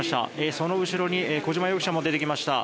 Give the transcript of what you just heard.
その後ろに小島容疑者も出てきました。